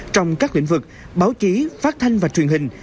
trong các lĩnh vực báo chí phát thanh và truyền hình